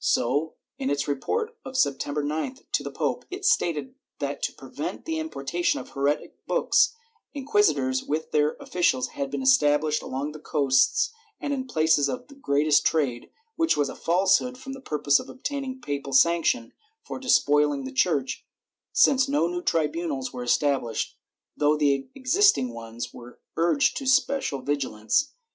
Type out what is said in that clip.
^ So, in its report of September 9th to the pope, it stated that to prevent the importation of heretic books, inquisitors with their officials had been established along the coasts and in the places of greatest trade, which was a false hood for the purpose of obtaining papal sanction for despoihng the Church, since no new tribunals were established, though the existing ones were urged to special vigilance.